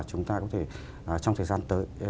chúng ta có thể trong thời gian tới